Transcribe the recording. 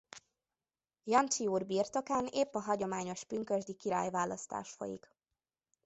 Jancsi úr birtokán épp a hagyományos pünkösdi királyválasztás folyik.